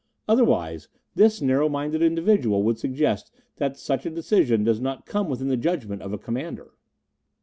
"Otherwise this narrow minded individual would suggest that such a decision does not come within the judgment of a Commander."